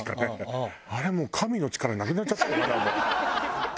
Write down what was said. あれもう神の力なくなっちゃったのかな。